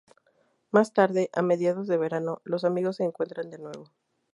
Más tarde, a mediados de verano, los amigos se encuentran de nuevo.